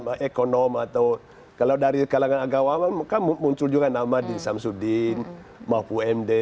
ya ekonomi atau kalau dari kalangan agama kan muncul juga nama din samsudin mahfud md